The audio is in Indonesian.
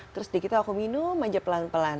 terus di kita aku minum aja pelan pelan